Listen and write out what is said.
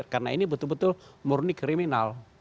karena ini betul betul murni kriminal